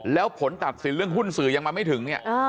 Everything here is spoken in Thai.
แล้วผลตัดสินเรื่องหุ้นสื่อยังมาไม่ถึงเนี่ย